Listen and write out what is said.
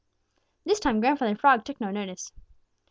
This time Grandfather Frog took no notice.